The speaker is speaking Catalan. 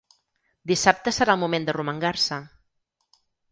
Dissabte serà el moment d’arromangar-se.